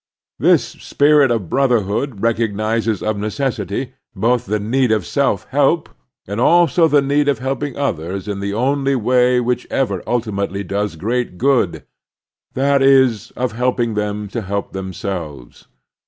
This spirit of brother hood recognizes of necessity both the need of self help and also the need of helping others in the only way which ever ultimately does great good, that is, of helping them to help themselves.